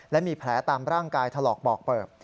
และมีแผลตามร่างกายถลอกบอกเปิบ